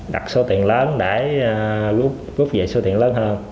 đặt số tiền lớn để rút về số tiền lớn hơn